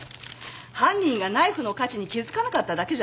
犯人がナイフの価値に気付かなかっただけじゃない？